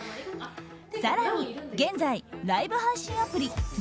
更に現在、ライブ配信アプリ